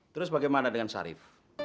terus bagaimana dengan sharif